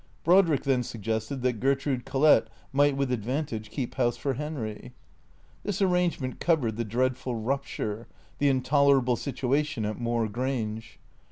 Brodrick then suggested that Gertrude Collett might with advantage keep house for Henry. This arrangement covered the dreadful rupture, the intolerable situation at Moor Grange.